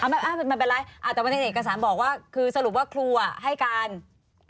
มันเป็นไรแต่ว่าในเอกสารบอกว่าคือสรุปว่าครูอะให้การว่า